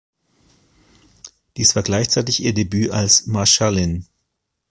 Dies war gleichzeitig ihr Debüt als Marschallin.